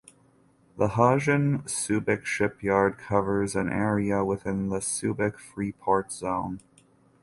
The Hanjin Subic Shipyard covers an area of within the Subic Freeport Zone.